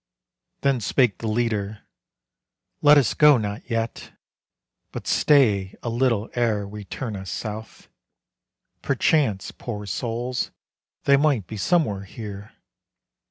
Then spake the leader, "Let us go not yet, But stay a little ere we turn us south, Perchance, poor souls, they might be somewhere here."